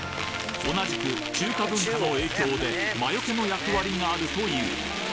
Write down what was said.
同じく中華文化の影響で魔除けの役割があるという